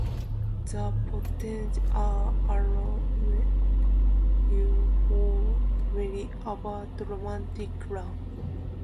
The poems are almost uniformly about romantic love.